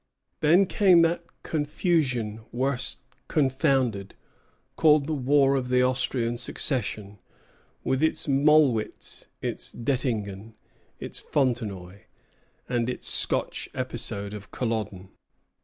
Then came that confusion worse confounded called the war of the Austrian Succession, with its Mollwitz, its Dettingen, its Fontenoy, and its Scotch episode of Culloden.